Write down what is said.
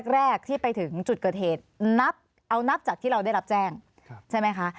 แรกที่ไปถึงจุดเกิดเหตุนับเอานับจากที่เราได้รับแจ้งใช่ไหมคะ